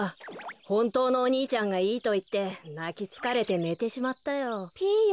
ほんとうのお兄ちゃんがいいといってなきつかれてねてしまったよ。